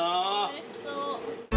おいしそう。